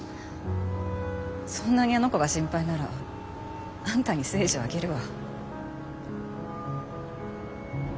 そんなにあの子が心配ならあんたに征二をあげるわ。